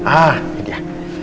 ah ini dia